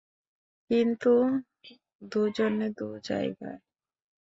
কিন্তু দুজনে দু জায়গায়।